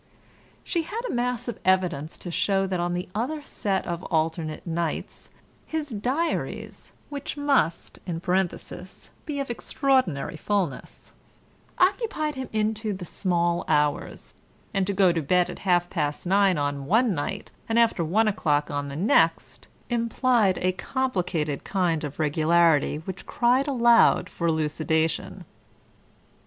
She had a mass of evidence to show that on the other set of alternate nights his diaries (which must, in parenthesis, be of extraordinary fullness) occupied him into the small hours, and to go to bed at half past nine on one night and after one o'clock on the next implied a complicated kind of regularity which cried aloud for elucidation.